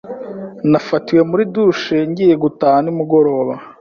Nafatiwe muri douche ngiye gutaha nimugoroba.